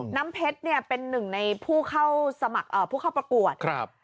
น้ำเพชรเนี่ยเป็นหนึ่งในผู้เข้าสมัครผู้เข้าประกวดครับ